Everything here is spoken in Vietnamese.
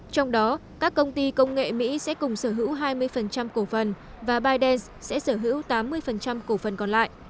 trong đó các công ty công nghệ mỹ sẽ cùng sở hữu hai mươi cổ phần và bytedance sẽ sở hữu tám mươi cổ phần còn lại